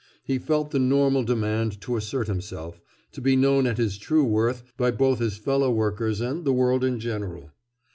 He felt the normal demand to assert himself, to be known at his true worth by both his fellow workers and the world in general.